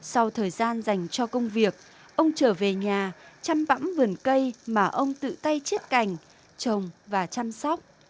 sau thời gian dành cho công việc ông trở về nhà chăm bẫm vườn cây mà ông tự tay chiết cành trồng và chăm sóc